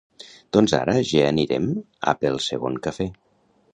Doncs ara ja anirem a pel segon cafè.